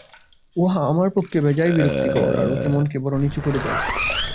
উহা আমার পক্ষে বেজায় বিরক্তিকর আর ওতে মনকে বড় নীচু করে দেয়।